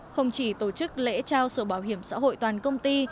không chỉ tổ chức lễ trao sổ bảo hiểm xã hội toàn công ty